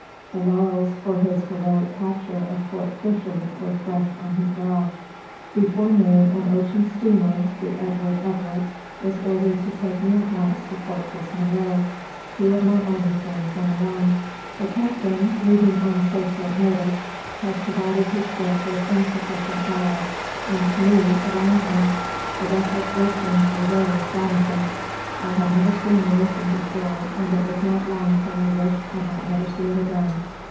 The laurels for his heroic capture of Fort Fisher were fresh on his brow. Before noon an ocean steamer, the Edward Everett, was ordered to take me at once to Fortress Monroe. Two of my army friends went along. The captain, leaving on so short notice, had provided his ship with insufficient ballast, and to me, a landsman, the vessel's lurchings were very astonishing. I had never seen the ocean before, and it was not long till I wished I might never see it again.